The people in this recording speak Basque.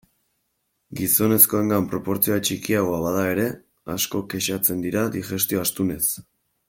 Gizonezkoengan proportzioa txikiagoa bada ere, asko kexatzen dira digestio astunez.